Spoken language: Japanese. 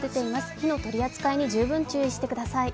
火の取り扱いに十分注意してください。